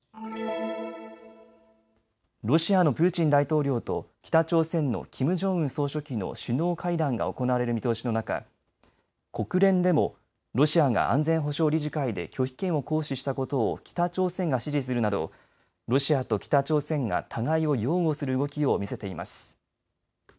ロシアのプーチン大統領と北朝鮮のキム・ジョンウン総書記の首脳会談が行われる見通しの中、国連でもロシアが安全保障理事会で拒否権を行使したことを北朝鮮が支持するなどロシアと北朝鮮が互いを擁護する動きを見せています。